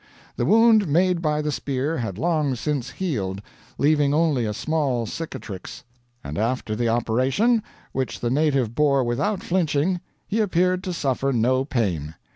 The wound made by the spear had long since healed, leaving only a small cicatrix; and after the operation, which the native bore without flinching, he appeared to suffer no pain.